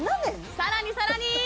さらにさらに！